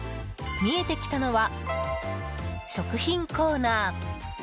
見えてきたのは食品コーナー。